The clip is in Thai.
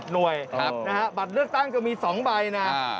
หน่วยนะฮะบัตรเลือกตั้งจะมี๒ใบนะ